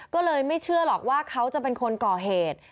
ก็เลยไม่เชื่อหรอกว่าเขาจะเป็นคนก่อเหตุ